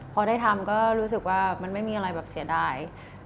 พอได้ทำก็รู้สึกว่ามันไม่มีอะไรแบบเสียดาย